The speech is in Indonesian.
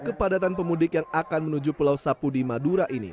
kepadatan pemudik yang akan menuju pulau sapudi madura ini